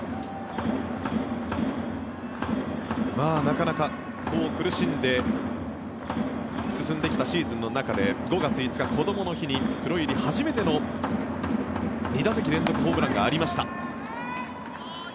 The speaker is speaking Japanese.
なかなか苦しんで進んできたシーズンの中で５月５日、こどもの日にプロ入り初めての２打席連続ホームランがありました。